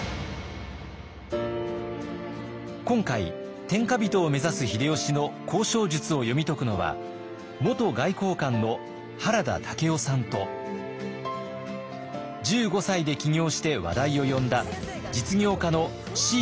今回天下人を目指す秀吉の交渉術を読み解くのは元外交官の原田武夫さんと１５歳で起業して話題を呼んだ実業家の椎木里佳さんです。